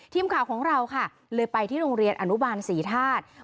ทีมข่าวของเราค่ะเลยไปที่โรงเรียนอนุบาลศรีธาตุ